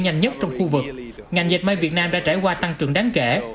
nhanh nhất trong khu vực ngành dệt may việt nam đã trải qua tăng trưởng đáng kể